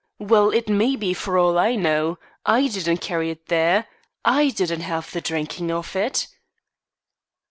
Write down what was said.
Well, it may be for all I know. I didn't carry it there. I didn't have the drinking of it."